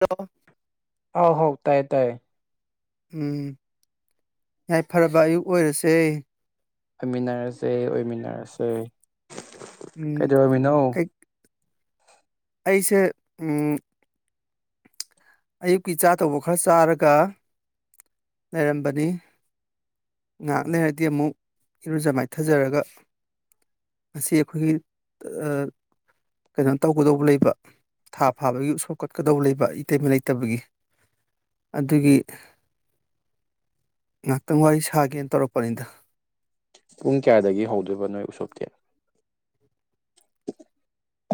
Hello ꯍꯥꯎ ꯍꯥꯎ ꯇꯥꯏꯌꯦ ꯇꯥꯏꯌꯦ ꯎꯝ ꯌꯥꯏꯐꯔꯕ ꯑꯌꯨꯛ ꯑꯣꯏꯔꯁꯦ꯫ ꯑꯣꯏꯃꯤꯟꯅꯔꯁꯦ ꯑꯣꯏꯃꯤꯟꯅꯔꯁꯦ꯫ ꯎꯝ ꯀꯩꯗꯧꯔꯝꯃꯤꯅꯣ ꯀꯩ ꯑꯩꯁꯦ ꯎꯝ ꯑꯌꯨꯛꯀꯤ ꯆꯥ ꯇꯧꯕ ꯈꯔ ꯆꯥꯔꯒ ꯂꯩꯔꯝꯕꯅꯤ꯫ ꯉꯥꯏꯍꯥꯛ ꯂꯩꯔꯗꯤ ꯑꯃꯨꯛ ꯏꯔꯨꯖ ꯃꯥꯏꯊꯖꯔꯒ ꯑꯁꯤ ꯑꯩꯈꯣꯏꯒꯤ ꯑ ꯀꯩꯅꯣ ꯇꯧꯒꯗꯧꯕ ꯂꯩꯕ ꯊꯥ ꯐꯥꯕꯒꯤ ꯎꯁꯣꯞ ꯀꯠꯀꯗꯧꯕ ꯂꯩꯕ ꯏꯇꯩꯃ ꯂꯩ ꯇꯕꯒꯤ ꯑꯗꯨꯒꯤ ꯉꯍꯥꯛꯇꯪ ꯋꯥꯔꯤ ꯁꯥꯒꯦꯅ ꯇꯧꯔꯛꯄꯅꯤꯗ ꯄꯨꯡ ꯀꯌꯥꯗꯒꯤ ꯍꯧꯗꯣꯏꯕ ꯅꯣꯏ ꯎꯁꯣꯞꯇꯤ꯫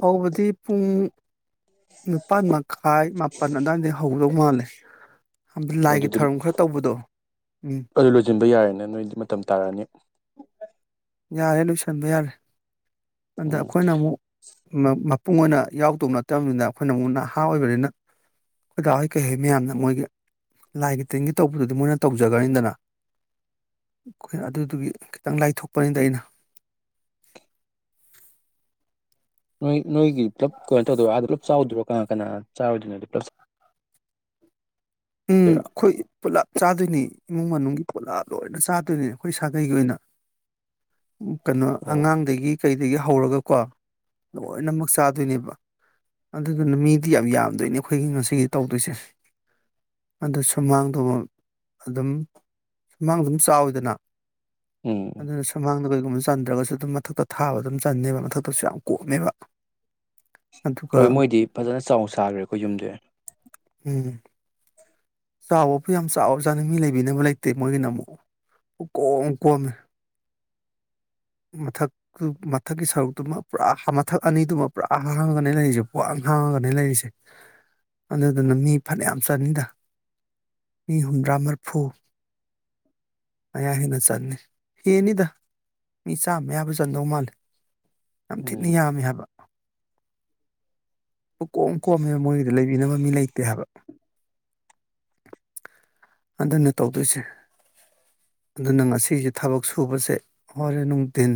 ꯍꯧꯕꯗꯤ ꯄꯨꯡ ꯅꯤꯄꯥꯜ ꯃꯈꯥꯏ ꯃꯥꯄꯟ ꯑꯗꯥꯏꯗꯩ ꯍꯧꯗꯧ ꯃꯥꯜꯂꯦ꯫ ꯍꯥꯝꯕ ꯂꯥꯏꯒꯤ ꯑꯗꯨꯗꯤ ꯊꯧꯔꯝ ꯈꯔ ꯇꯧꯕꯗꯣ ꯎꯝ ꯑꯗꯨ ꯂꯣꯏꯁꯤꯟꯕ ꯌꯥꯔꯦꯅꯦ ꯅꯣꯏꯗꯤ ꯃꯇꯝ ꯇꯥꯔꯛꯑꯅꯤ ꯌꯥꯔꯦ ꯂꯣꯏꯁꯟꯕ ꯌꯥꯔꯦ ꯑꯗ ꯎꯝ ꯑꯩꯈꯣꯏꯅ ꯑꯃꯨꯛ ꯃ-ꯃ ꯄꯨꯡ ꯑꯣꯏꯅ ꯌꯥꯎꯗꯧ ꯅꯠꯇꯕꯅꯤꯅ ꯑꯩꯈꯣꯏꯅ ꯑꯃꯨꯛ ꯅꯍꯥ ꯑꯣꯏꯕꯅꯤꯅ ꯀꯥꯀꯥꯍꯣꯏ ꯀꯩꯍꯣꯏ ꯃꯌꯥꯝꯅ ꯃꯣꯏꯒꯤ ꯂꯥꯏꯒꯤ ꯇꯤꯟꯒꯤ ꯇꯧꯕꯗꯨꯗꯤ ꯃꯣꯏꯅ ꯇꯧꯖꯒ꯭ꯔꯖꯅꯤꯗꯅ ꯑꯩꯈꯣꯏ ꯑꯗꯨꯗꯨꯒꯤ ꯈꯤꯇꯪ ꯂꯥꯏꯊꯣꯛꯄꯅꯤꯗ ꯑꯩꯅ ꯅꯣꯏ ꯅꯣꯏꯒꯤ ꯄꯨꯂꯞ ꯀꯩꯅꯣ ꯇꯧꯗꯣꯏꯔꯣ ꯑꯥꯗ ꯄꯨꯂꯞ ꯆꯥꯎꯗꯣꯏꯔꯣ ꯀꯅꯥ ꯀꯅꯥ ꯆꯥꯎꯔꯣꯏꯗꯣꯏꯅꯣ ꯄꯨꯂꯞ ꯎꯝ ꯆꯥꯗꯣꯏꯔꯣ ꯑꯩꯈꯣꯏ ꯄꯨꯜꯂꯞ ꯆꯥꯗꯣꯏꯅꯦ ꯏꯃꯨꯡ ꯃꯅꯨꯡꯒꯤ ꯄꯨꯠꯂꯞ ꯂꯣꯏꯅ ꯆꯥꯗꯣꯏꯅ ꯑꯩꯈꯣꯏ ꯁꯥꯒꯩꯒꯤ ꯑꯣꯏꯅ꯫ ꯀꯩꯅꯣ ꯑꯣ ꯑꯉꯥꯡꯒꯩꯒꯤ ꯀꯩꯗꯒꯤ ꯍꯧꯔꯒꯀꯣ ꯂꯣꯏꯅꯃꯛ ꯆꯥꯗꯣꯏꯅꯦꯕ꯫ ꯑꯗꯨꯗꯨꯅ ꯃꯤꯗꯤ ꯌꯥꯝ ꯌꯥꯝꯗꯣꯏꯅꯦ ꯑꯩꯈꯣꯏꯒꯤ ꯉꯁꯤꯒꯤ ꯇꯧꯗꯣꯏꯁꯦ꯫ ꯑꯗꯨ ꯁꯨꯃꯥꯡꯗꯣ ꯑꯗꯨꯝ ꯁꯨꯃꯥꯡꯗꯣ ꯑꯗꯨꯝ ꯆꯥꯎꯋꯤꯗꯅ ꯎꯝ ꯑꯗꯨꯅ ꯁꯨꯝꯃꯥꯡꯗ ꯀꯩꯒꯨꯝꯕ ꯆꯟꯗ꯭ꯔꯒꯁꯨ ꯑꯗꯨꯝ ꯃꯊꯛꯇ ꯊꯥꯕ ꯑꯗꯨꯝ ꯆꯟꯅꯦꯕ ꯃꯊꯛꯇꯁꯨ ꯌꯥꯝ ꯀꯣꯝꯃꯦꯕ꯫ ꯑꯗꯨꯒ ꯍꯣꯏ ꯃꯣꯏꯗꯤ ꯐꯖꯅ ꯆꯥꯎ ꯁꯥꯒ꯭ꯔꯦꯀꯣ ꯌꯨꯝꯖꯦ꯫ ꯎꯝ ꯆꯥꯎꯕꯕꯨ ꯌꯥꯝ ꯆꯥꯎꯔ ꯖꯥꯠꯅꯤ ꯃꯤ ꯂꯩꯕꯤꯅꯕ ꯂꯩꯇꯦ ꯃꯣꯏꯒꯤꯅ ꯑꯃꯨꯛ꯫ ꯄꯨꯀꯣꯝ ꯀꯣꯝꯃꯦ ꯃꯊꯛ ꯑꯗꯨ ꯃꯊꯛꯀꯤ ꯁꯔꯨꯛꯇꯨꯃ ꯄꯨꯔꯥ ꯍꯥ-ꯃꯊꯛ ꯑꯅꯤꯗꯨꯃ ꯄꯨꯔꯥ ꯍꯥꯡꯉꯒꯅꯦ ꯂꯩꯔꯤꯖꯦ ꯄꯨꯡꯍꯥꯡ ꯍꯥꯡꯉꯒꯅꯦ ꯂꯩꯔꯤꯖꯦ꯫ ꯑꯗꯨꯗꯨꯅ ꯃꯤ ꯐꯅꯌꯥꯝ ꯆꯟꯅꯤꯗ ꯃꯤ ꯍꯨꯝꯗ꯭ꯔꯥ ꯃꯔꯐꯨ ꯃꯌꯥ ꯍꯦꯟꯅ ꯆꯟꯅꯤ ꯍꯦꯟꯅꯤꯗ ꯃꯤ ꯆꯥꯝꯃ ꯃꯌꯥꯕꯨ ꯆꯟꯗꯧ ꯃꯥꯜꯂꯦ ꯌꯥꯝ ꯊꯤꯅ ꯎꯝ ꯌꯥꯝꯃꯦ ꯍꯥꯏꯕ ꯄꯨꯛꯀꯣꯝ ꯀꯣꯝꯃꯦꯕ ꯃꯣꯏꯒꯤꯗꯤ ꯂꯩꯕꯤꯅꯕ ꯃꯤ ꯂꯩꯇꯦ ꯍꯥꯏꯕ꯫ ꯑꯗꯨꯅ ꯇꯧꯗꯣꯏꯁꯦ ꯑꯗꯨꯅ ꯉꯁꯤꯖꯦ ꯊꯕꯛ ꯁꯨꯕꯁꯦ ꯍꯣꯔꯦꯟ ꯅꯨꯡꯗꯤꯟ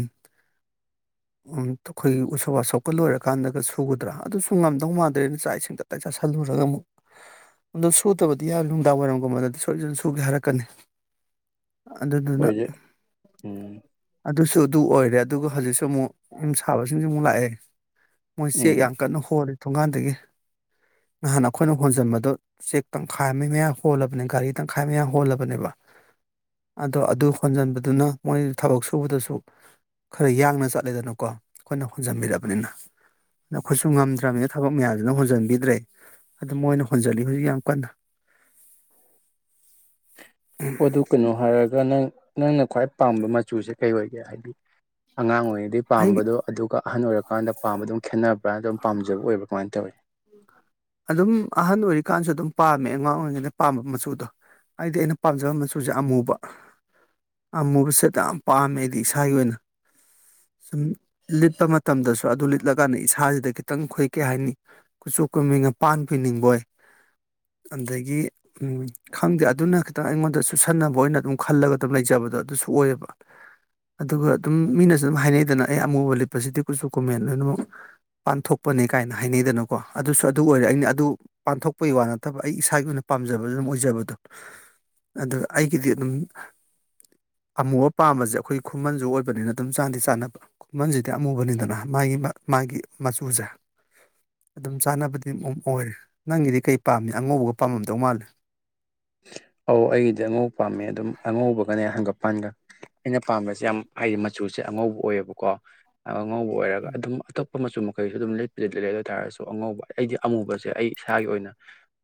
ꯎꯝ ꯑꯩꯈꯣꯏꯒꯤ ꯎꯁꯣꯞ ꯋꯥꯁꯣꯞꯀ ꯂꯣꯏꯔꯀꯥꯟꯗꯒ ꯁꯨꯒꯗ꯭ꯔꯥ ꯑꯗꯨꯁꯨ ꯉꯝꯗꯧ ꯃꯥꯟꯗ꯭ꯔꯦꯗ ꯆꯥꯛ ꯏꯁꯤꯡ ꯇꯞ ꯇꯥꯏ ꯆꯥꯥꯁꯜꯂꯨꯔꯒ ꯑꯃꯨꯛ ꯑꯗꯨ ꯁꯨꯗꯕꯗꯤ ꯌꯥꯔꯣꯏ ꯅꯨꯡꯗꯥꯡ ꯋꯥꯏꯔꯝꯒꯨꯝꯕꯗꯗꯤ ꯁꯣꯏꯗꯅ ꯁꯨꯒꯦ ꯍꯥꯏꯔꯛꯀꯅꯤ꯫ ꯑꯗꯨꯗꯨꯅ ꯑꯣꯏꯗꯤ ꯎꯝ ꯑꯗꯨꯁꯨ ꯑꯗꯨ ꯑꯣꯏꯔꯦ ꯑꯗꯨꯒ ꯍꯧꯖꯤꯛꯁꯨ ꯑꯃꯨꯛ ꯌꯨꯝ ꯁꯥꯕꯁꯤꯡꯁꯨ ꯑꯃꯨꯛ ꯂꯥꯛꯑꯦ꯫ ꯃꯣꯏ ꯆꯦꯛ ꯎꯝ ꯌꯥꯝ ꯀꯟꯅ ꯍꯣꯜꯂꯤꯦ ꯊꯣꯡꯒꯥꯟꯗꯒꯤ ꯅꯍꯥꯟ ꯑꯩꯈꯣꯏꯅ ꯍꯣꯟꯖꯟꯕꯗꯨꯣ ꯆꯦꯛ ꯇꯪꯈꯥꯏ ꯃ ꯃꯌꯥ ꯍꯣꯜꯂꯕꯅꯦ ꯒꯥꯔꯤ ꯇꯪꯈꯥꯏ ꯃꯌꯥ ꯍꯣꯜꯂꯕꯅꯦꯕ ꯑꯗꯣ ꯑꯗꯨ ꯍꯣꯟꯖꯟꯕꯗꯨꯅ ꯃꯣꯏ ꯊꯕꯛ ꯁꯨꯕꯗꯁꯨ ꯈꯔ ꯌꯥꯡꯅ ꯆꯠꯂꯦꯗꯅꯀꯣ ꯑꯩꯈꯣꯏꯅ ꯍꯣꯟꯖꯟꯕꯤꯔꯕꯅꯤꯅ ꯅꯈꯣꯏꯁꯨ ꯉꯝꯗ꯭ꯔꯕꯅꯤꯅ ꯊꯕꯛ ꯃꯌꯥꯝꯁꯤꯅ ꯍꯣꯟꯖꯟꯕꯤꯗ꯭ꯔꯦ ꯑꯗꯨ ꯃꯣꯏꯅ ꯍꯣꯟꯖꯜꯂꯤ [unintelligible] ꯌꯥꯝ ꯀꯟꯅ ꯑꯣꯗꯨ ꯀꯩꯅꯣ ꯍꯥꯏꯔꯒ ꯅꯪ ꯅꯪꯅ ꯈ꯭ꯋꯥꯏ ꯄꯥꯝꯕ ꯃꯆꯨꯁꯦ ꯀꯩ ꯑꯣꯏꯒꯦ ꯍꯥꯏꯗꯤ ꯑꯉꯥꯡ ꯑꯣꯏꯔꯤꯗꯩꯩ ꯑꯩ ꯄꯥꯝꯕꯗꯣ ꯑꯗꯨꯒ ꯑꯍꯟ ꯑꯣꯏꯔꯀꯥꯟꯗ ꯄꯥꯝꯕꯗ ꯑꯗꯨꯝ ꯈꯦꯠꯅꯕ꯭ꯔꯥꯅ ꯑꯗꯨꯝ ꯄꯥꯝꯖꯕ ꯑꯣꯏꯕꯥ ꯀꯃꯥꯏꯅ ꯇꯧꯋꯤ ꯑꯗꯨꯝ ꯑꯍꯟ ꯑꯣꯏꯔꯤꯀꯥꯟꯁꯨ ꯑꯗꯨꯝ ꯄꯥꯝꯃꯦ ꯑꯉꯥꯡ ꯑꯣꯏꯔꯤꯉꯩꯗ ꯄꯥꯝꯕ ꯃꯆꯨꯗꯣ ꯍꯥꯏꯗꯤ ꯑꯩꯅ ꯄꯥꯝꯖꯕ ꯃꯆꯨꯁꯦ ꯑꯃꯨꯕ ꯑꯥꯃꯨꯕꯁꯦꯠꯇ ꯌꯥꯝ ꯄꯥꯝꯃꯦ ꯑꯩꯗꯤ ꯏꯁꯥꯒꯤ ꯑꯣꯏꯅ ꯁꯨꯝ ꯂꯤꯠꯄ ꯃꯇꯝꯗꯁꯨ ꯑꯗꯨ ꯂꯤꯠꯂꯀꯥꯟꯗ ꯏꯁꯥꯁꯤꯗ ꯈꯤꯇꯪ ꯈꯣꯏꯀꯩ ꯍꯥꯏꯅꯤ ꯀꯨꯆꯨꯞ ꯀꯨ ꯃꯤꯡꯅꯄꯥꯟ ꯄꯤꯅꯤꯡꯕꯣꯏ ꯑꯗꯒꯤ ꯎꯝ ꯈꯪꯗꯦ ꯑꯗꯨꯅ ꯈꯤꯇꯪ ꯑꯩꯉꯣꯟꯗ ꯆꯨꯁꯟꯅꯕ ꯑꯣꯏꯅ ꯑꯗꯨꯝ ꯈꯜꯂꯒ ꯑꯗꯨꯝ ꯂꯩꯖꯕꯗꯣ ꯑꯗꯨꯁꯨ ꯑꯣꯏꯌꯦꯕ ꯑꯗꯨꯒ ꯑꯗꯨꯝ ꯃꯤꯅꯁꯨ ꯑꯗꯨꯝ ꯍꯥꯏꯅꯩꯗꯅ ꯑꯩ ꯑꯃꯨꯕ ꯂꯤꯠꯄꯁꯤꯗꯤ ꯀꯨꯁꯨ ꯀꯨꯃꯦꯟ ꯂꯣꯏꯅꯃꯛ ꯄꯥꯟꯊꯣꯛꯄꯅꯦ ꯀꯥꯏꯅ ꯍꯥꯏꯅꯩꯗꯅꯀꯣ ꯑꯗꯨꯁꯨ ꯑꯗꯨ ꯑꯣꯏꯔꯦ ꯑꯩꯅ ꯑꯗꯨ ꯄꯥꯡꯊꯣꯛꯄꯒꯤ ꯋꯥ ꯅꯠꯇꯕ ꯑꯩ ꯏꯁꯥꯒꯤ ꯑꯣꯏꯅ ꯄꯥꯝꯖꯕ ꯑꯗꯨꯝ ꯑꯣꯏꯖꯕꯗꯣ ꯑꯗꯨ ꯑꯩꯒꯤꯗꯤ ꯑꯗꯨꯝ ꯑꯃꯨꯕ ꯄꯥꯝꯕꯁꯦ ꯑꯩꯈꯣꯏ ꯈꯨꯃꯟꯁꯨ ꯑꯣꯏꯕꯅꯤꯅ ꯑꯗꯨꯝ ꯆꯥꯗꯤ ꯆꯥꯅꯕ ꯈꯨꯃꯟꯁꯤꯗꯤ ꯑꯃꯨꯕꯅꯤꯗꯅ ꯃꯥꯒꯤ ꯃꯥꯒꯤ ꯃꯆꯨꯁꯦ ꯑꯗꯨꯝ ꯆꯥꯅꯕꯗꯤ ꯑꯃꯝ ꯑꯣꯏꯔꯦ ꯅꯪꯒꯤꯗꯤ ꯀꯩ ꯄꯥꯝꯃꯤ ꯑꯉꯧꯕꯒ ꯄꯥꯝꯃꯝꯗꯧ ꯃꯥꯜꯂꯦ ꯑꯧ ꯑꯩꯒꯤꯗꯤ ꯑꯉꯧꯕ ꯄꯥꯝꯃꯦ ꯑꯗꯨꯝ ꯑꯉꯧꯕꯒꯅꯦ ꯍꯪꯒꯞꯄꯥꯟꯒ ꯑꯩꯅ ꯄꯥꯝꯕꯁꯦ ꯌꯥꯝ ꯍꯥꯏꯗꯤ ꯃꯆꯨꯁꯦ ꯑꯉꯧꯕ ꯑꯣꯏꯌꯦꯕꯀꯣ ꯑꯉꯧꯕ ꯑꯣꯏꯔꯒ ꯎꯝ ꯑꯗꯨꯝ ꯑꯇꯣꯞ ꯃꯆꯨ ꯃꯈꯩꯁꯨ ꯑꯗꯨꯝ ꯂꯤꯠ ꯂꯤꯠ ꯂꯤ ꯑꯗꯨ ꯑꯣꯏꯇꯥꯥꯔꯁꯨ ꯑꯉꯧꯕ ꯑꯩꯗꯤ ꯑꯃꯨꯕꯁꯦ ꯑꯩ ꯏꯁꯥꯒꯤ ꯑꯣꯏꯅ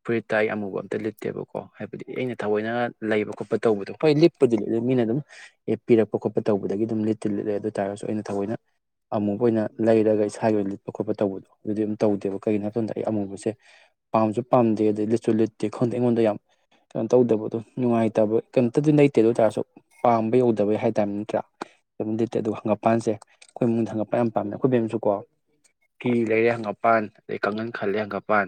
ꯐꯨꯔꯤꯠ ꯇꯥꯏ ꯑꯃꯨꯕ ꯑꯝꯇ ꯂꯤꯇꯦꯕꯣ ꯀꯣ ꯍꯥꯏꯕꯗꯤ ꯑꯩꯅ ꯊꯑꯣꯏꯅ ꯂꯩꯕ ꯈꯣꯠꯄ ꯇꯧꯕꯗꯣ ꯍꯣꯏ ꯂꯤꯞꯄꯨꯗꯤ ꯑꯗꯨ ꯃꯤꯅ ꯑꯗꯨꯝ ꯑꯦ ꯄꯤꯔꯛꯄ ꯈꯣꯠꯄ ꯇꯧꯕꯗꯒꯤ ꯑꯗꯨꯝ ꯂꯤꯠꯇꯨ ꯂꯤꯠꯂꯦ ꯑꯗꯨ ꯑꯣꯏ ꯇꯥꯔꯒꯁꯨ ꯑꯩꯅ ꯊꯑꯣꯏꯅ ꯑꯃꯨꯕ ꯑꯣꯏꯅ ꯂꯩꯔꯒ ꯏꯁꯥꯒꯤ ꯑꯣꯏꯅ ꯂꯤꯠꯄ ꯈꯣꯠꯄ ꯇꯧꯕꯗꯣ ꯑꯗꯨꯗꯤ ꯑꯗꯨꯝ ꯇꯧꯗꯦꯕ ꯀꯩꯒꯤꯅꯣ ꯍꯥꯏꯕ ꯃꯇꯝꯗ ꯑꯩ ꯑꯃꯨꯕꯁꯦ ꯄꯥꯝꯁꯨ ꯄꯝꯗꯦ ꯑꯗ ꯂꯤꯠꯁꯨ ꯂꯤꯠꯇꯦ ꯈꯪꯗꯦ ꯑꯩꯉꯣꯟꯗ ꯌꯥꯝ ꯀꯩꯅꯣ ꯇꯧꯗꯕꯗꯣ ꯅꯨꯡꯉꯥꯏꯇꯕ ꯀꯩꯝꯇꯗꯤ ꯂꯩꯇꯦ ꯑꯗꯨ ꯑꯣꯏ ꯇꯥꯔꯁꯨ ꯄꯥꯝꯕ ꯌꯧꯗꯕꯩ ꯍꯥꯏꯇꯥꯥꯔꯦ ꯅꯠꯇ꯭ꯔꯥ ꯑꯗꯨꯝꯗꯤꯇꯦ ꯑꯗꯨ ꯍꯪꯒꯄꯜꯁꯦ [unintelligible] ꯊꯥꯡꯒꯛꯄ ꯌꯥꯝ ꯄꯥꯝꯃꯦ ꯑꯩꯈꯣꯏ ꯕꯦꯝꯁꯨ ꯀꯣ ꯀꯤ ꯂꯩꯔꯦ ꯍꯪꯒꯄꯥꯟ ꯑꯗꯩ ꯀꯥꯡꯈꯟ ꯈꯜꯂꯦ ꯍꯪꯒꯄꯥꯟ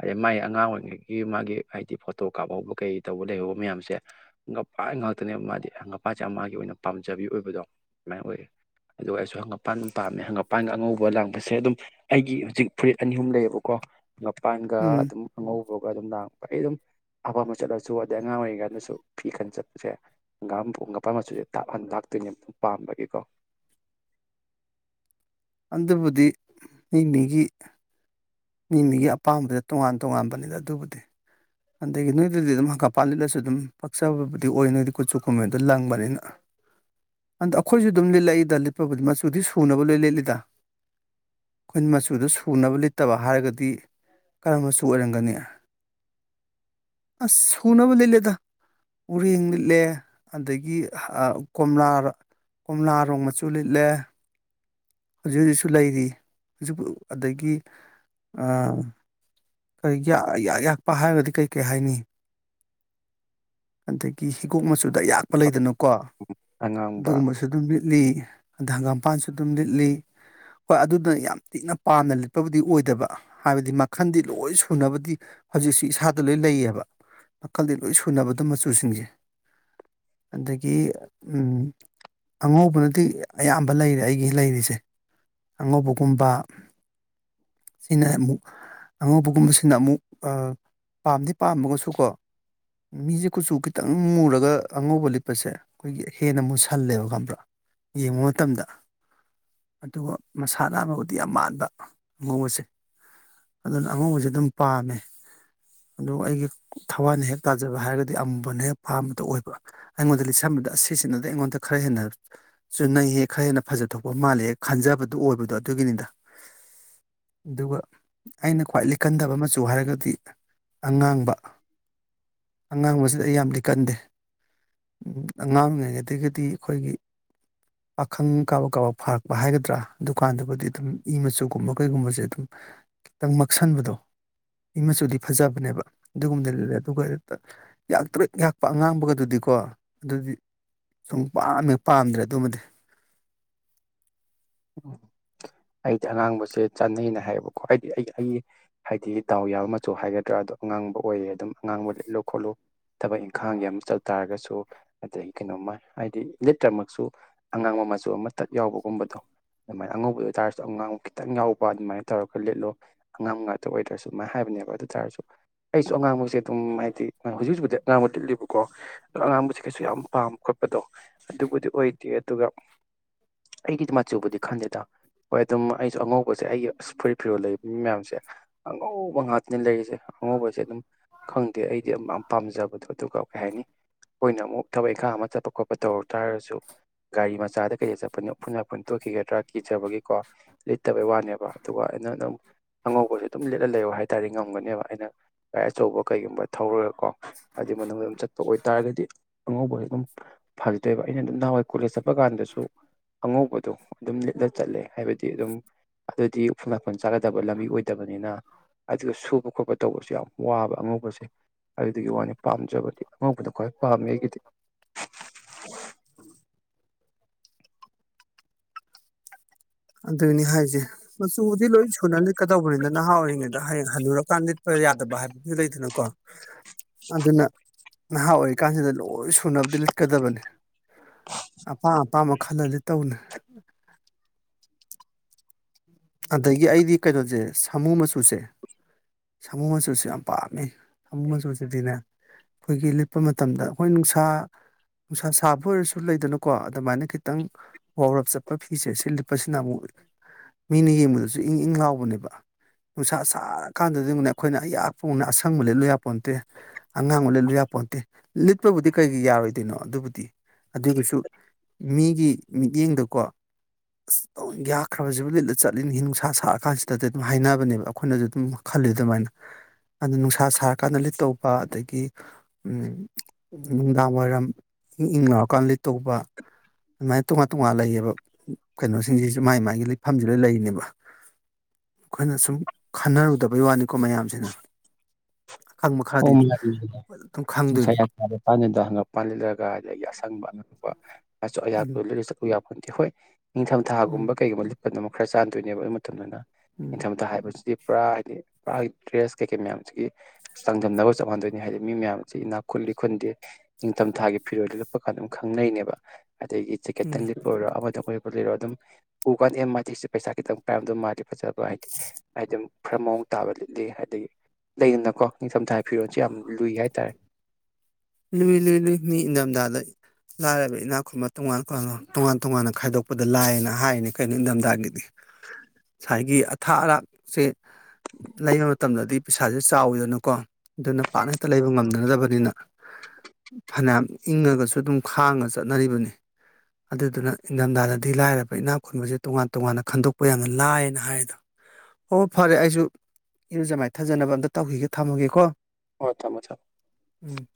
ꯑꯗꯩ ꯃꯒꯤ ꯑꯉꯥꯡ ꯑꯣꯏꯔꯤꯉꯩꯒꯤ ꯃꯥꯒꯤ ꯍꯥꯏꯗꯤ ꯐꯣꯇꯣ ꯀꯥꯞꯍꯧꯕ ꯀꯩ ꯇꯧꯕ ꯂꯩꯍꯧꯕ ꯃꯌꯥꯝꯁꯦ ꯉꯄꯥ ꯉꯥꯛꯇꯅꯦꯕ ꯃꯥꯗꯤ ꯉꯒꯄꯥꯁꯦ ꯑꯃꯒꯤꯒꯤ ꯑꯣꯏꯅ ꯄꯥꯝꯖꯕꯤ ꯑꯣꯏꯕꯗꯣ ꯑꯗꯨꯃꯥꯏ ꯑꯣꯏꯌꯦ ꯑꯗꯨꯒ ꯑꯩꯁꯨ ꯍꯪꯉꯄꯥꯟ ꯑꯗꯨꯝ ꯄꯥꯝꯃꯦ ꯍꯪꯉꯄꯥꯟꯒ ꯑꯉꯧꯕ ꯂꯥꯡꯕꯁꯦ ꯑꯗꯨꯝ ꯑꯩꯒꯤ ꯍꯧꯖꯤꯛ ꯐꯨꯔꯤꯠ ꯑꯅꯤ ꯑꯍꯨꯝ ꯂꯩꯌꯦꯕꯀꯣ ꯃꯄꯥꯟꯒ ꯎꯝ ꯑꯗꯨꯝ ꯑꯉꯧꯕꯒ ꯑꯗꯨꯝ ꯂꯥꯡꯕ ꯑꯩ ꯑꯗꯨꯝ ꯑꯄꯥꯝꯕ ꯆꯠꯂꯁꯨ ꯑꯗꯩ ꯑꯉꯥꯡ ꯑꯣꯏꯔꯤꯉꯩꯗꯁꯨ ꯐꯤ ꯈꯟ ꯆꯠꯄꯁꯦ ꯍꯪꯒꯣꯛ ꯉꯄꯥ ꯃꯆꯨꯁꯦ ꯇꯥꯛꯍꯟ ꯂꯥꯛꯇꯣꯏꯅꯦ ꯄꯥꯝꯕꯒꯤꯀꯣ ꯑꯗꯨꯕꯨꯗꯤ ꯃꯤꯃꯤꯒꯤ ꯃꯤ ꯃꯤꯒꯤ ꯑꯄꯥꯝꯕꯗ ꯇꯣꯉꯥꯟ ꯇꯣꯉꯥꯟꯕꯅꯤꯗ ꯑꯗꯨꯕꯨꯗꯤ ꯑꯗꯒꯤ ꯅꯣꯏꯗꯗꯤ ꯑꯗꯨꯝ ꯍꯪꯀꯥꯄꯥ ꯂꯤꯠꯂꯁꯨ ꯑꯗꯨꯝ ꯄꯛꯆꯕꯕꯨꯗꯤ ꯑꯣꯏ ꯅꯣꯏꯗꯤ ꯈꯨꯨꯠꯁꯨꯨ ꯈꯨꯨꯝꯃꯦꯟꯗꯣ ꯂꯪꯕꯅꯤꯅ ꯑꯟꯗ ꯑꯩꯈꯣꯏꯁꯨ ꯑꯗꯨꯝ ꯂꯤꯠꯂꯛꯏꯗ ꯂꯤꯠꯄꯕꯨꯗꯤ ꯃꯆꯨꯗꯤ ꯁꯨꯅꯕ ꯂꯣꯏ ꯂꯤꯠꯂꯤꯗ ꯑꯩꯈꯣꯏꯅ ꯃꯆꯨꯗꯣ ꯁꯨꯅꯕ ꯂꯩꯇꯕ ꯍꯥꯏꯔꯒꯗꯤ ꯀꯔꯝꯕ ꯃꯆꯨ ꯑꯣꯏꯔꯝꯒꯅꯤ ꯑꯁ ꯁꯨꯅꯕꯨ ꯂꯤꯠꯂꯤꯗ ꯎꯔꯦꯡ ꯂꯤꯠꯂꯦ ꯑꯗꯒꯤ ꯀꯣꯝꯂꯥ ꯀꯣꯝꯂꯥꯔꯣꯡ ꯃꯆꯨ ꯂꯤꯠꯂꯦ ꯍꯧꯖꯤꯛ ꯍꯧꯖꯤꯛꯁꯨ ꯂꯩꯔꯤ ꯑꯗꯒꯤ ꯑꯥ [unintelligible] ꯌꯥꯛꯄ ꯍꯥꯏꯔꯒꯗꯤ ꯀꯩ ꯀꯩ ꯍꯥꯏꯅꯤ ꯑꯗꯒꯤ ꯍꯤꯒꯣꯛ ꯃꯆꯨꯗ ꯑꯌꯥꯛꯄ ꯂꯩꯗꯅꯀꯣ ꯑꯉꯥꯡꯕ ꯑꯗꯨꯒꯨꯝꯕꯁꯨ ꯑꯗꯨꯝ ꯂꯤꯠꯂꯤ ꯑꯗ ꯍꯪꯒꯥꯝꯄꯥꯟꯁꯨ ꯑꯗꯨꯝ ꯂꯤꯠꯂꯤ ꯍꯣꯏ ꯑꯗꯨꯗꯨꯅ ꯌꯥꯝ ꯊꯤꯅ ꯄꯥꯝꯅ ꯂꯤꯠꯄꯕꯨꯗꯤ ꯑꯣꯏꯗꯕ ꯍꯥꯏꯕꯗꯤ ꯃꯈꯟꯗꯤ ꯂꯣꯏ ꯁꯨꯅꯕꯗꯤ ꯍꯧꯖꯤꯛꯁꯨ ꯏꯁꯥꯗ ꯂꯣꯏ ꯂꯩꯌꯦꯕ ꯃꯈꯜꯗꯤ ꯂꯣꯏ ꯁꯨꯅꯕꯗꯣ ꯃꯆꯨꯁꯤꯡꯁꯦ ꯑꯗꯒꯤ ꯎ ꯑꯉꯧꯕꯅꯗꯤ ꯑꯌꯥꯝꯕ ꯂꯩꯔꯦ ꯑꯩꯒꯤ ꯂꯩꯔꯤꯁꯦ ꯑꯉꯧꯕꯒꯨꯝꯕ ꯁꯤꯅ ꯑꯃꯨꯛ ꯑꯉꯧꯕꯒꯨꯝꯕꯁꯤꯅ ꯑꯃꯨꯛ ꯄꯥꯝꯗꯤ ꯄꯥꯝꯃꯒꯁꯨ ꯀꯣ ꯃꯤꯁꯦ ꯀꯨꯠꯆꯨ ꯈꯤꯇꯪ ꯃꯨꯔꯒ ꯑꯉꯧꯕ ꯂꯤꯠꯄꯁꯦ ꯑꯩꯈꯣꯏꯒꯤ ꯍꯦꯟꯅ ꯑꯃꯨꯛꯠꯁꯜꯂꯦꯕ ꯈꯝꯕ꯭ꯔꯥ ꯌꯦꯡꯕ ꯃꯇꯝꯗ ꯑꯗꯨꯒ ꯃꯁꯥ ꯅꯥꯟꯕꯕꯨꯗꯤ ꯌꯥꯝ ꯃꯥꯟꯕ ꯑꯉꯧꯕ ꯑꯁꯦ ꯑꯗꯨꯅ ꯑꯉꯧꯕꯁꯦ ꯑꯗꯨꯝ ꯄꯥꯝꯃꯦ ꯑꯗꯨ ꯑꯩꯒꯤ ꯊꯋꯥꯏꯅ ꯍꯦꯛ ꯇꯥꯖꯕ ꯍꯥꯏꯔꯒꯗꯤ ꯑꯃꯨꯕꯅ ꯍꯦꯛ ꯄꯥꯝꯕꯗ ꯑꯣꯏꯕ ꯑꯩꯉꯣꯟꯗ ꯂꯤꯠꯁꯝꯕꯗ ꯑꯁꯤꯁꯤꯅꯗꯤ ꯑꯩꯉꯣꯟꯗ ꯈꯔ ꯍꯦꯟꯅ ꯁꯨꯅꯩꯍꯦꯛ ꯈꯔ ꯍꯦꯟꯅ ꯐꯖꯊꯣꯛꯄ ꯃꯥꯜꯂꯦ ꯍꯦꯦꯛ ꯈꯟꯖꯕꯗꯨ ꯑꯣꯏꯕꯗꯣ ꯑꯗꯨꯒꯤꯅꯤꯗ ꯑꯗꯨꯒ ꯑꯩꯅ ꯈ꯭ꯋꯥꯏꯗꯒꯤ ꯀꯟꯗꯕ ꯃꯆꯨ ꯍꯥꯏꯔꯒꯗꯤ ꯑꯉꯥꯡꯕ ꯑꯉꯥꯡꯕꯁꯤꯗ ꯑꯩ ꯌꯥꯝ ꯂꯤꯀꯟꯗꯦ ꯑꯉꯥꯡꯔꯤꯉꯩꯗꯒꯤꯗꯤ ꯑꯩꯈꯣꯏꯒꯤ ꯄꯥꯈꯪ ꯀꯥꯕꯛ ꯀꯥꯕ ꯐꯥꯔꯛꯄ ꯍꯥꯏꯒꯗ꯭ꯔꯥ ꯗꯨꯀꯥꯟꯗꯨꯕꯨꯗꯤ ꯑꯗꯨꯝ ꯏ ꯃꯆꯨꯒꯨꯝꯕ ꯀꯩꯒꯨꯝꯕꯁꯦ ꯑꯗꯨꯝ ꯈꯤꯇꯪ ꯃꯛꯁꯟꯕꯗꯣ ꯏ ꯃꯆꯨꯗꯤ ꯐꯖꯕꯅꯦꯕ ꯑꯗꯨꯒꯨꯝꯕꯅ ꯑꯗꯨꯒ ꯌꯥꯛꯇ꯭ꯔꯦꯠ ꯌꯥꯛꯄ ꯑꯉꯥꯡꯕꯒꯗꯨꯗꯤꯀꯣ ꯑꯗꯨꯗꯤ ꯁꯨꯝ ꯄꯝꯃꯦ ꯄꯥꯝꯗ꯭ꯔꯦ ꯑꯗꯨꯃꯗꯤ ꯎꯝ ꯑꯩꯗꯤ ꯑꯉꯥꯡꯕꯁꯦ ꯆꯥꯅꯩꯅ ꯍꯥꯏꯌꯦꯕꯀꯣ ꯍꯥꯏꯗꯤ ꯑꯩ ꯑꯩꯒꯤ ꯍꯥꯏꯗꯤ ꯗꯥꯎ ꯌꯥꯕ ꯃꯆꯨ ꯍꯥꯏꯒꯗ꯭ꯔꯥ ꯑꯗꯣ ꯑꯉꯥꯡꯕ ꯑꯣꯏꯔꯦ ꯑꯗꯨꯝ ꯑꯉꯥꯡꯕ ꯂꯤꯠꯂꯨ ꯈꯣꯠꯂꯨ ꯊꯕꯛ ꯏꯪꯈꯥꯡꯒꯤ ꯑꯃ ꯆꯠ ꯇꯥꯔꯒꯁꯨ ꯑꯗꯗꯒꯤ ꯀꯩꯅꯣꯝꯃ ꯍꯥꯏꯗꯤ ꯂꯤꯠꯇ꯭ꯔꯃꯛꯁꯨ ꯑꯉꯥꯡꯕ ꯃꯆꯨ ꯑꯃ ꯇꯠ ꯌꯥꯎꯕꯒꯨꯝꯕꯗꯣ ꯑꯗꯨꯃꯥꯏꯅ ꯑꯉꯧꯕ ꯑꯣꯏꯇꯥꯔꯁꯨ ꯑꯉꯥꯡ ꯈꯤꯇꯪ ꯌꯥꯎꯕ ꯑꯗꯨꯃꯥꯏꯅ ꯇꯧꯔꯒ ꯂꯤꯠꯂꯣ ꯑꯉꯝ ꯉꯥꯛꯇ ꯑꯣꯏꯗ꯭ꯔꯁꯨ ꯑꯗꯨꯃꯥꯏꯅ ꯍꯥꯏꯕꯅꯦꯕ ꯑꯗꯨ ꯇꯥꯔꯁꯨ ꯑꯩꯁꯨ ꯑꯉꯥꯡꯕꯁꯦ ꯑꯗꯨꯝ ꯍꯥꯏꯗꯤꯥꯡ ꯍꯧꯖꯤꯛ ꯍꯧꯖꯤꯛꯄꯕꯨꯗꯤ ꯑꯉꯥꯡꯕ ꯇꯤꯠꯂꯤꯕꯀꯣ ꯑꯗꯣ ꯑꯉꯥꯡꯕꯁꯦ ꯀꯩꯁꯨ ꯌꯥꯝ ꯄꯥꯝꯃꯦ ꯈꯣꯠꯄꯗꯣ ꯑꯗꯨꯕꯨꯗꯤ ꯑꯣꯏꯗꯦ ꯑꯗꯨꯒ ꯑꯩꯒꯤꯗꯤ ꯃꯆꯨꯕꯨꯗꯤ ꯈꯟꯗꯦꯗ ꯍꯣꯏ ꯑꯗꯨꯝ ꯑꯩꯁꯨ ꯑꯉꯧꯕꯁꯦ ꯑꯩꯒꯤ ꯑꯁ ꯐꯨꯔꯤꯠ ꯐꯤꯔꯣꯜ ꯂꯩꯕ ꯃꯤ ꯃꯌꯥꯝꯁꯦ ꯑꯉꯧꯕ ꯉꯥꯛꯇꯅꯦ ꯂꯩꯔꯤꯁꯦ ꯑꯉꯧꯕꯁꯦ ꯑꯗꯨꯝ ꯈꯪꯗꯦ ꯑꯩꯗꯤ ꯄꯥꯝꯖꯕꯗꯣ ꯑꯗꯨꯒ ꯀꯩ ꯍꯥꯏꯅꯤ ꯑꯩꯈꯣꯏꯅ ꯑꯃꯨꯛ ꯊꯕꯛ ꯏꯈꯥꯡ ꯑꯃ ꯆꯠꯄ ꯈꯣꯠꯄ ꯇꯧꯔꯨ ꯇꯥꯔꯁꯨ ꯒꯥꯔꯤ ꯃꯆꯥꯗ ꯀꯩꯗ ꯆꯠꯄꯟ ꯎꯐꯨꯟ ꯋꯥꯏꯐꯨꯟ ꯇꯣꯛꯈꯤꯒꯗꯦ ꯈ꯭ꯔ ꯀꯤꯖꯕꯒꯤꯀꯣ ꯂꯤꯠꯇꯕꯩ ꯋꯥꯅꯦꯕ ꯑꯗꯨꯒ ꯑꯩꯅ ꯅꯪ ꯑꯉꯧꯕꯁꯨ ꯑꯗꯨꯝ ꯂꯤꯠꯂ ꯂꯩꯌꯣ ꯍꯥꯏꯇꯥꯔꯦ ꯉꯝꯒꯅꯦꯕ ꯑꯩꯅ ꯥꯏ ꯑꯆꯧꯕ ꯀꯩꯒꯨꯝꯕ ꯊꯧꯔꯒ ꯀꯣ ꯍꯥꯏꯗꯤ ꯃꯅꯨꯡꯗ ꯑꯗꯨꯝ ꯆꯠꯄ ꯑꯣꯏꯇꯥꯥꯔꯒꯗꯤ ꯑꯉꯧꯕꯁꯦ ꯑꯗꯨꯝ ꯐꯖꯗꯣꯏꯕ ꯑꯩꯅ ꯑꯗꯨꯝ ꯅꯍꯥꯟꯋꯥꯏ ꯀꯣꯂꯦꯖ ꯆꯠꯄ ꯀꯥꯟꯗꯁꯨ ꯑꯉꯧꯕꯗꯣ ꯑꯗꯨꯝ ꯂꯤꯠꯂ ꯆꯠꯂꯦ ꯍꯥꯏꯕꯗꯤ ꯑꯗꯨꯝ ꯑꯗꯨꯗꯤ ꯎꯐꯨꯜ ꯅꯥꯄꯜ ꯆꯥꯒꯗꯕ ꯂꯝꯕꯤ ꯑꯣꯏꯗꯕꯅꯤꯅ ꯑꯗꯨꯒ ꯁꯨꯕ ꯈꯣꯠꯄ ꯇꯧꯕꯁꯨ ꯌꯥꯝ ꯋꯥꯕ ꯑꯉꯧꯕꯁꯦ ꯑꯗꯨꯗꯨꯒꯤ ꯋꯥꯅꯤ ꯄꯥꯝꯖꯕꯗꯤ ꯑꯉꯧꯕꯅ ꯈ꯭ꯋꯥꯏ ꯄꯥꯝꯃꯦ ꯑꯩꯒꯤꯗꯤ ꯑꯗꯨꯅꯤ ꯍꯥꯏꯁꯦ ꯃꯆꯨꯗꯤ ꯂꯣꯏ ꯁꯨꯅ ꯂꯤꯠꯀꯗꯧꯕꯅꯤꯅ ꯅꯍꯥ ꯑꯣꯏꯔꯤꯉꯩꯗ ꯍꯌꯦꯡ ꯍꯜꯂꯨꯔꯀꯥꯟꯗ ꯂꯤꯠꯄ ꯌꯥꯗꯕ ꯍꯥꯏꯕꯗꯨꯁꯨ ꯂꯩꯗꯅꯀꯣ ꯑꯗꯨꯅ ꯅꯍꯥ ꯑꯣꯏꯔꯤꯀꯥꯟꯁꯤꯗ ꯂꯣꯏ ꯁꯨꯅꯕꯗꯤ ꯂꯤꯠꯀꯗꯕꯅꯤ ꯑꯄꯥꯝ ꯑꯄꯥꯝꯕ ꯈꯜꯂꯂ ꯇꯧꯅ ꯑꯗꯒꯤ ꯑꯩꯗꯤ ꯀꯩꯅꯣꯁꯦ ꯁꯥꯃꯨ ꯃꯆꯨꯁꯦ ꯁꯥꯃꯣ ꯃꯆꯨꯁꯨ ꯌꯥꯝ ꯄꯥꯝꯃꯤ ꯁꯥꯃꯣ ꯃꯆꯨꯁꯤꯗꯤꯅꯦ ꯑꯩꯈꯣꯏꯒꯤ ꯂꯤꯠꯄ ꯃꯇꯝꯗ ꯑꯩꯈꯣꯏ ꯅꯨꯡꯁꯥ ꯅꯨꯡꯁꯥ ꯁꯥꯕ ꯑꯣꯏꯔꯁꯨ ꯂꯩꯗꯅꯀꯣ ꯑꯗꯨꯃꯥꯏꯅ ꯈꯤꯇꯪ ꯋꯥꯎꯔꯞ ꯆꯠꯄ ꯐꯤꯁꯦ ꯁꯤ ꯂꯤꯠꯄꯁꯤꯅ ꯑꯃꯨꯛ ꯃꯤꯅ ꯌꯦꯡꯕꯗꯁꯨ ꯏꯪ ꯏꯪ ꯂꯥꯎꯕꯅꯦꯕ ꯅꯨꯡꯁꯥ ꯁꯥꯔ ꯀꯥꯟꯗꯗꯤꯅ ꯑꯩꯈꯣꯏꯅ ꯑꯌꯥꯛꯄꯅ ꯑꯁꯪꯕ ꯂꯤꯠꯂꯨ ꯌꯥꯄꯣꯟꯅꯠꯇꯦ ꯑꯉꯥꯡꯕ ꯂꯤꯠꯂꯨ ꯌꯥꯄꯣꯟꯇꯦ ꯂꯤꯠꯄꯕꯨꯗꯤ ꯀꯩꯒꯤ ꯌꯥꯔꯣꯏꯗꯣꯏꯅꯣ ꯑꯗꯨꯕꯨꯗꯤ ꯑꯗꯨꯒꯤꯁꯨ ꯃꯤꯒꯤ ꯃꯤꯠꯌꯦꯡꯗꯀꯣ ꯑꯁ ꯑꯣꯟꯊꯣꯛꯅ ꯌꯥꯈ꯭ꯔꯕꯁꯤꯕꯨ ꯂꯤꯠꯂ ꯆꯠꯂꯤꯅꯤ ꯅꯨꯡꯁꯥ ꯁꯥꯛꯔ ꯀꯥꯟꯁꯤꯗꯗꯤ ꯑꯗꯨꯝ ꯍꯥꯏꯅꯕꯅꯦꯕ ꯑꯩꯈꯣꯏꯅꯁꯨ ꯑꯗꯨꯝ ꯈꯜꯂꯤ ꯑꯗꯨꯃꯥꯏꯅ ꯑꯗꯨ ꯅꯨꯡꯁꯥ ꯁꯥꯔꯀꯥꯟꯗ ꯂꯤꯠ ꯇꯧꯕ ꯑꯗꯒꯤ ꯅꯨꯡꯗꯥꯡ ꯋꯥꯏꯔꯝ ꯏꯪ ꯏꯪ ꯂꯥꯎꯔꯀꯥꯟꯗ ꯇꯧꯕ ꯑꯗꯨꯃꯥꯏꯅ ꯇꯣꯉꯥꯟ ꯇꯣꯉꯥꯟ ꯂꯩꯌꯦꯕ ꯀꯩꯅꯣꯁꯤꯡꯁꯤꯁꯨ ꯃꯥꯏ ꯃꯥꯏꯒꯤ ꯂꯤꯠꯐꯝꯁꯤ ꯂꯣꯏ ꯂꯩꯔꯤꯅꯦꯕ ꯑꯩꯈꯣꯏꯅ ꯁꯨꯝ ꯈꯟꯅꯔꯨꯗꯕꯩ ꯋꯥꯅꯤꯀꯣ ꯃꯌꯥꯝꯁꯤꯅ ꯑꯈꯪꯕ ꯈꯔꯗꯤ ꯑꯗꯨꯝ ꯈꯪꯗꯣꯏꯅꯤ ꯄꯥꯗꯣ ꯍꯪꯒꯄꯥꯟ ꯂꯤꯠꯂꯒ ꯑꯗꯒꯤ ꯑꯁꯪꯕ ꯍꯛꯄ ꯃꯁꯨ ꯎꯝ ꯑꯍꯥꯛꯄ ꯂꯤꯠꯂ ꯆꯠ ꯍꯣꯏ ꯎꯝ ꯅꯤꯡꯊꯝꯊꯥꯒꯨꯝꯕ ꯀꯩꯒꯨꯝꯕ ꯂꯤꯠꯄꯗ ꯑꯃꯛ ꯈꯔ ꯆꯥꯟꯗꯣꯏꯅꯦꯕ ꯑꯗꯨ ꯃꯇꯝꯗꯅ ꯎꯝ ꯅꯤꯡꯊꯝꯊꯥ ꯍꯥꯏꯕꯁꯤꯗꯤ ꯄꯨꯔꯥ ꯍꯥꯏꯗꯤ ꯄꯨꯔꯥ ꯗ꯭ꯔꯦꯁ ꯀꯩꯀꯩ ꯃꯌꯥꯝꯁꯤꯒꯤ ꯆꯥꯡꯗꯝꯅꯕꯒ ꯆꯞꯃꯥꯟꯅꯗꯣꯏꯅꯤ ꯍꯥꯏꯗꯤ ꯃꯤ ꯃꯌꯥꯝꯁꯤ ꯏꯅꯥꯛ ꯈꯨꯜꯂꯤ ꯈꯨꯟꯗꯦ ꯅꯤꯡꯊꯝꯊꯥꯒꯤ ꯐꯤꯔꯣꯜꯗ ꯂꯤꯠꯄ ꯀꯥꯟꯗ ꯑꯗꯨꯝ ꯈꯪꯅꯩꯅꯦꯕ ꯑꯗꯒꯤ ꯖꯀꯦꯠꯇꯪ ꯎꯝ ꯂꯤꯠꯄ ꯑꯣꯏꯔꯣ ꯑꯃꯗꯪꯕꯨꯑꯣꯏꯔꯣ ꯑꯗꯨꯝ ꯎꯀꯥꯟꯗ ꯑꯦ ꯃꯥꯗꯤ ꯄꯩꯁꯥ ꯈꯤꯇꯪ ꯄꯥꯏꯔꯝꯗꯧꯃꯥꯜꯂꯤ ꯑꯣ ꯍꯥꯏꯗꯤ ꯍꯥꯏꯗꯨꯝ ꯈꯔ ꯃꯑꯣꯡ ꯇꯥꯕ ꯂꯤꯠꯂꯤ ꯍꯥꯏꯗꯤ ꯂꯩꯗꯅꯀꯣ ꯅꯤꯡꯊꯝꯊꯥꯒꯤ ꯐꯤꯔꯣꯜꯁꯦ ꯌꯥꯝ ꯂꯨꯏ ꯍꯥꯏꯇꯥꯔꯦ ꯂꯨꯏ ꯂꯨꯏ ꯂꯨꯏ ꯃꯤ ꯏꯪꯊꯝꯊꯥꯗ ꯂꯥꯏꯔꯕ ꯏꯅꯥꯛ ꯈꯨꯟꯕ ꯇꯣꯉꯥꯟꯣꯉꯥꯟ ꯇꯣꯉꯥꯟ ꯇꯣꯉꯥꯟꯅ ꯈꯥꯏꯗꯣꯛꯄꯗ ꯂꯥꯏꯌꯦꯅ ꯍꯥꯏꯔꯤꯅꯤ ꯀꯩꯅꯣ ꯏꯊꯝꯊꯥꯒꯤꯗꯤ ꯉꯁꯥꯏꯒꯤ ꯑꯊꯥ ꯑꯔꯥꯛꯁꯦ ꯂꯩꯕ ꯃꯇꯝꯗꯗꯤ ꯄꯩꯁꯥꯁꯦ ꯆꯥꯎꯋꯤꯗꯅꯀꯣ ꯑꯗꯨꯅ ꯄꯥꯛꯅ ꯍꯦꯛꯇ ꯂꯩꯕ ꯉꯝꯅꯗꯕꯅꯤꯅ ꯐꯅꯌꯥꯝ ꯏꯪꯉꯒꯁꯨ ꯑꯗꯨꯝ ꯈꯥꯡꯉ ꯆꯠꯅꯔꯤꯕꯅꯤ ꯑꯗꯨꯗꯨꯅ ꯏꯪꯊꯝꯊꯥꯗꯗꯤ ꯂꯥꯏꯔꯕ ꯏꯅꯥꯛ ꯈꯨꯟꯕꯁꯦ ꯇꯣꯉꯥꯟ ꯇꯣꯉꯥꯟꯅ ꯈꯟꯗꯣꯛꯄ ꯌꯥꯝꯅ ꯂꯥꯏꯌꯦꯅ ꯍꯥꯏꯔꯤꯗꯣ ꯍꯣ ꯐꯔꯦ ꯑꯩꯁꯨ ꯏꯔꯨꯖ ꯃꯥꯏꯅ ꯊꯥꯖꯅꯕ ꯑꯝꯇ ꯇꯧꯈꯤꯒꯦ ꯊꯝꯃꯒꯦꯀꯣ ꯍꯣꯏ ꯊꯝꯃꯣ ꯊꯝꯃꯣ ꯎꯝ